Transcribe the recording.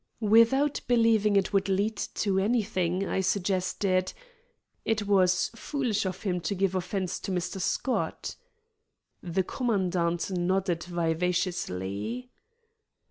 Without believing it would lead to anything, I suggested: "It was foolish of him to give offence to Mr. Scott?" The commandant nodded vivaciously.